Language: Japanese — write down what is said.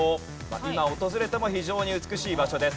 今訪れても非常に美しい場所です。